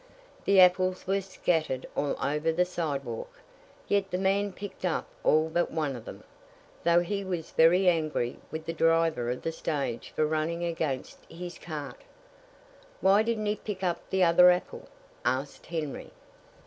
"The apples were scattered all over the sidewalk; yet the man picked up all but one of them, though he was very angry with the driver of the stage for running against his cart." "Why didn't he pick up the other apple?" asked Henry.